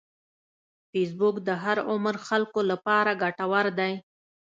فېسبوک د هر عمر خلکو لپاره ګټور دی